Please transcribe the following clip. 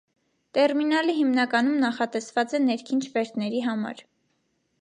Տերմինալը յիմնականում նախատեսված է ներքին չվերթների համար։